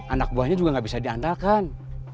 anak buahnya juga gak bisa diandalkan